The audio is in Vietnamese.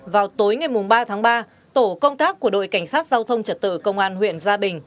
vào tối ngày ba tháng ba tổ công tác của đội cảnh sát giao thông trật tự công an huyện gia bình